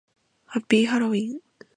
ハッピーハロウィン